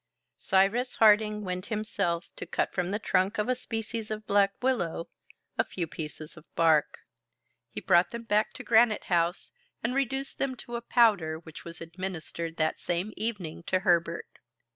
Cyrus Harding went himself to cut from the trunk of a species of black willow, a few pieces of bark; he brought them back to Granite House, and reduced them to a powder, which was administered that same evening to Herbert.